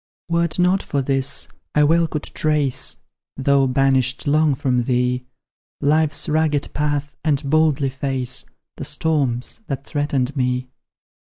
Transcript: Were 't not for this, I well could trace (Though banished long from thee) Life's rugged path, and boldly face The storms that threaten me.